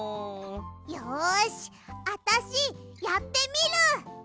よしあたしやってみる！